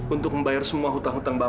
untuk membayar semua hutang hutang bapak